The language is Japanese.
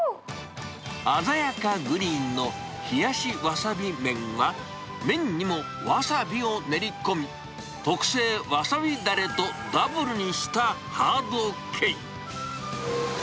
鮮やかグリーンの冷しわさび麺は、麺にもわさびを練り込み、特製わさびだれとダブルにしたハード系。